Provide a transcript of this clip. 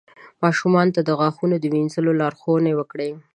ماشومانو ته د غاښونو مینځلو لارښوونه وکړئ.